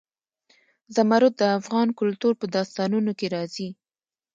زمرد د افغان کلتور په داستانونو کې راځي.